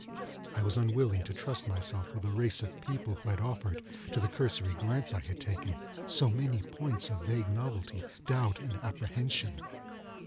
I was unwilling to trust myself with a race of people who had offered, to the cursory glance I had taken, so many points of vague novelty, doubt, and apprehension.